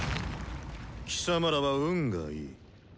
貴様らは運がいい。